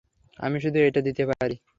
আমি শুধু এইটা দিতে পারি।